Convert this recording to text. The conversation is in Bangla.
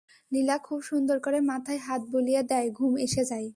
নীলা খুব সুন্দর করে মাথায় হাত বুলিয়ে দেয়, ঘুম এসে যায়।